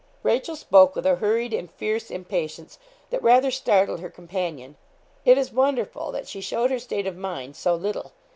Rachel spoke with a hurried and fierce impatience, that rather startled her companion. It is wonderful that she showed her state of mind so little.